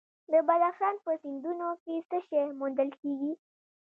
د بدخشان په سیندونو کې څه شی موندل کیږي؟